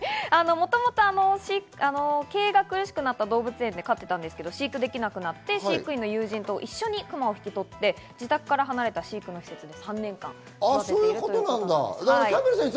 もともと経営が苦しくなった動物園で飼っていたんですが、飼育できずに友人と一緒にクマを引き取って、自宅から離れた飼育施設で３年間育てているそうです。